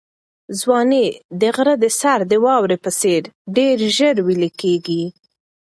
ځواني د غره د سر د واورې په څېر ډېر ژر ویلې کېږي.